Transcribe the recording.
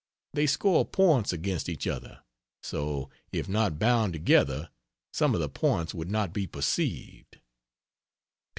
They score points against each other so, if not bound together, some of the points would not be perceived.....